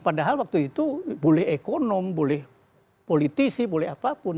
padahal waktu itu boleh ekonom boleh politisi boleh apapun